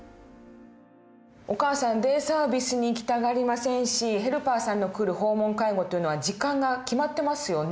お母さんデイサービスに行きたがりませんしヘルパーさんの来る訪問介護というのは時間が決まってますよね。